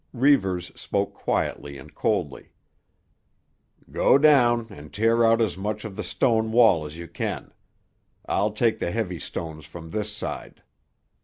Reivers spoke quietly and coldly. "Go down and tear out as much of the stone wall as you can. I'll take the heavy stones from this side."